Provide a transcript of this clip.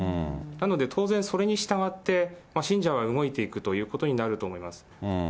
なので、当然それに従って、信者は動いていくということになると思います。